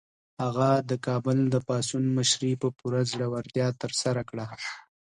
هغه د کابل د پاڅون مشري په پوره زړورتیا ترسره کړه.